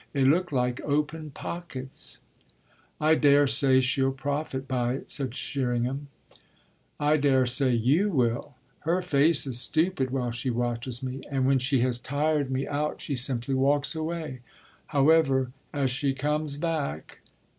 They look like open pockets!" "I daresay she'll profit by it," said Sherringham. "I daresay you will! Her face is stupid while she watches me, and when she has tired me out she simply walks away. However, as she comes back